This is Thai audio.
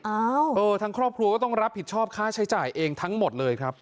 เออทั้งครอบครัวก็ต้องรับผิดชอบค่าใช้จ่ายเองทั้งหมดเลยครับ